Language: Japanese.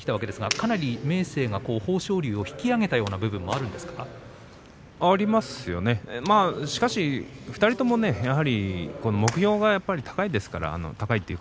かなり明生が豊昇龍を引き上げたというところありますよね、しかし２人とも目標がやはり高いですから。